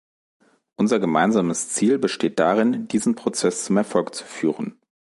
Unser gemeinsames Ziel besteht darin, diesen Prozess zum Erfolg zu führen.